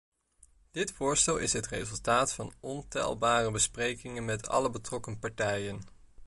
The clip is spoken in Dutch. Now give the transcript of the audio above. Dit voorstel is het resultaat van ontelbare besprekingen met alle betrokken partijen.